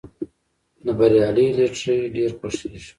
د بریالي لټیري ډېر خوښیږي.